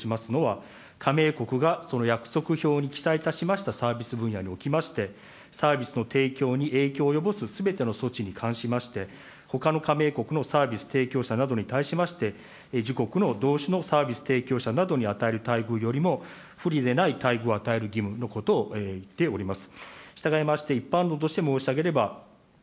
ＷＴＯのサービスの貿易に関する一般協定、いわゆるガッツでございますが、これにおける内国民対応義務でございますが、加盟国がそのやくそくひょうに記載いたしましたサービス分野におきまして、サービスの提供に影響を及ぼすすべての措置に関しまして、ほかの加盟国のサービス提供者などに対しまして、自国の同種のサービス提供者などに与える待遇よりも、不利でない待遇を与える義務のことを言っております。